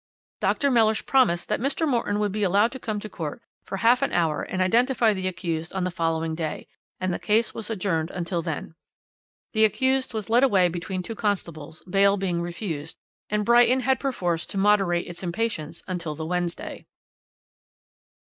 Dr. Mellish promised that Mr. Morton would be allowed to come to court for half an hour and identify the accused on the following day, and the case was adjourned until then. The accused was led away between two constables, bail being refused, and Brighton had perforce to moderate its impatience until the Wednesday.